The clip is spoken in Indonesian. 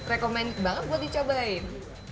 rekomend magical buat dicobain